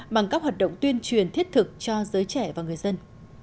bằng các hoạt động tuyên truyền thiết thực cho giới trẻ và người dân